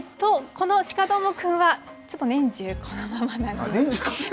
鹿どーもくんは、ちょっと年中このままなんです。